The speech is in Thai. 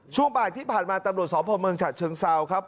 ช่วงบ่ายที่ผ่านมาตำรวจสพเมืองฉะเชิงเซาครับ